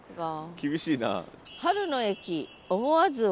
厳しいな。